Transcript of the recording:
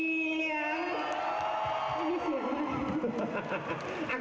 ไม่มีเสียง